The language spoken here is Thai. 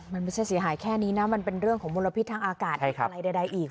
มันไม่ใช่เสียหายแค่นี้นะมันเป็นเรื่องของมลพิษทางอากาศอีกอะไรใดอีก